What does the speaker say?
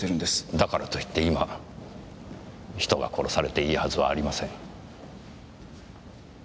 だからと言って今人が殺されていいはずはありません。